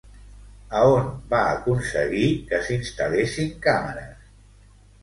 A on va aconseguir que s'instal·lessin càmeres?